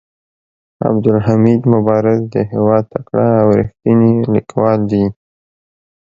عبدالحمید مبارز د هيواد تکړه او ريښتيني ليکوال دي.